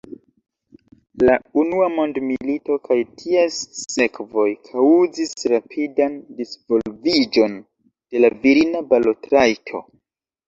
La unua mondmilito kaj ties sekvoj kaŭzis rapidan disvolviĝon de la virina balotrajto.